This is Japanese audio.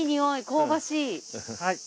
香ばしい。